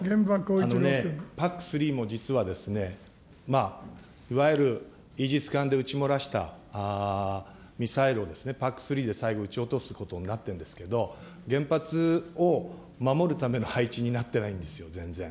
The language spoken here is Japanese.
あのね、ＰＡＣ３も実はですね、まあ、いわゆるイージス艦で撃ち漏らしたミサイルをＰＡＣ３で最後撃ち落とすことになってるんですけれども、原発を守るための配置になってないんですよ、全然。